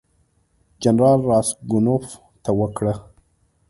جنرال راسګونوف ته وکړه.